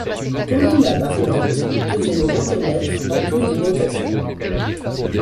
Paulina Barnett devait le reconnaître en plus d’une occasion.